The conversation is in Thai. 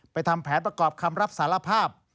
ทำแผนประกอบคำรับสารภาพ